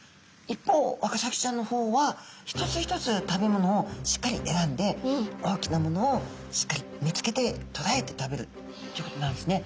一方ワカサギちゃんの方は一つ一つ食べ物をしっかり選んで大きなものをしっかり見つけてとらえて食べるっていうことになるんですね。